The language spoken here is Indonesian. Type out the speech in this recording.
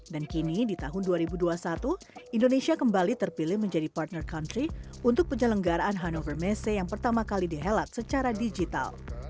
dan kini di tahun dua ribu dua puluh satu indonesia kembali terpilih menjadi partner country untuk penyelenggaraan hannover messe yang pertama kali dihelat secara digital